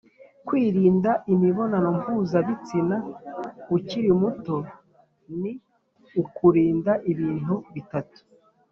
Kwirinda imibonano mpuzabitsina ukiri muto ni ukurinda ibintu bitatu